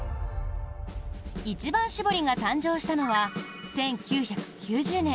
一番搾りが誕生したのは１９９０年。